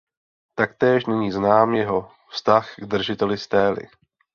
Taktéž není znám jeho vztah k držiteli stély.